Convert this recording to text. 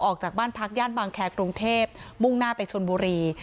ออกจากบ้านพักย่านบางแครกรุงเทพมุ่งหน้าไปชนบุรี